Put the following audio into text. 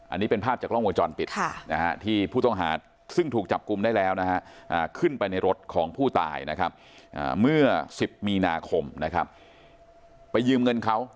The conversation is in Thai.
อันนี้เป็นภาพจากกล้องวงจรปิดที่ผู้ต้องหาซึ่งถูกจับกลุ่มได้แล้วนะฮะขึ้นไปในรถของผู้ตายนะครับเมื่อ๑๐มีนาคมนะครับไปยืมเงินเขา